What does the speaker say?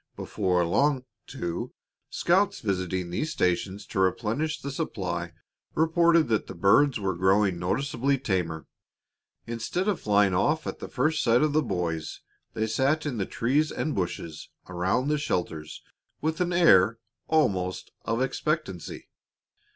Before long, too, scouts visiting these stations to replenish the supply reported that the birds were growing noticeably tamer. Instead of flying off at the first sight of the boys, they sat in the trees and bushes around the shelters with an air almost of expectancy.